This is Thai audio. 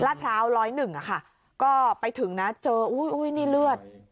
พร้าวร้อยหนึ่งอ่ะค่ะก็ไปถึงนะเจออุ้ยนี่เลือด